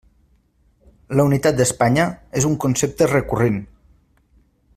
La unitat d'Espanya és un concepte recurrent.